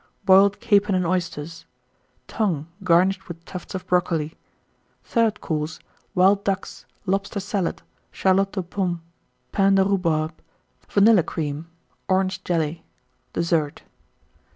Boiled Capon and Oysters. Tongue, garnished with tufts of Brocoli. THIRD COURSE. Wild Ducks. Lobster Salad. Charlotte aux Pommes. Pain de Rhubarb. Vanilla Cream. Orange Jelly. DESSERT.